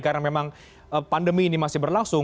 karena memang pandemi ini masih berlangsung